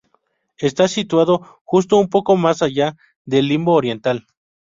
Está situado justo un poco más allá del limbo oriental.